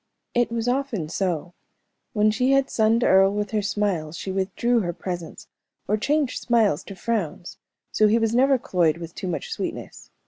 It was often so. When she had sunned Earle with her smiles she withdrew her presence, or changed smiles to frowns; so he was never cloyed with too much sweetness.